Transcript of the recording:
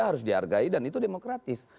harus dihargai dan itu demokratis